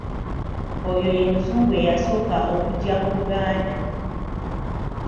Oyo ye muzungu eyasooka okujja mu Buganda.